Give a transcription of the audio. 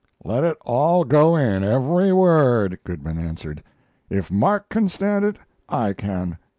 "Let it all go in, every word," Goodman answered. "If Mark can stand it, I can!"